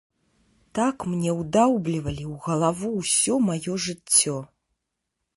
Так мне ўдаўблівалі ў галаву ўсё маё жыццё.